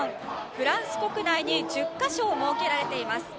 フランス国内に１０か所設けられています。